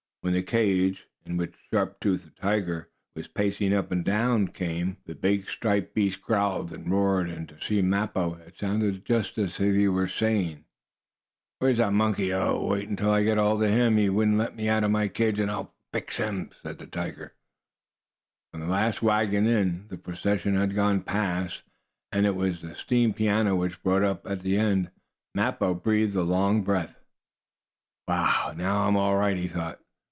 When the cage, in which Sharp Tooth, the tiger, was pacing up and down, came along, the big striped beast growled and roared, and to Mappo it sounded just as if he were saying: "Where's that monkey? Oh, wait until I get hold of him! He wouldn't let me out of my cage, and I'll fix him!" When the last wagon in, the procession had gone past and it was the steam piano which brought up at the end Mappo breathed a long breath. "Now I'm all right!" he thought.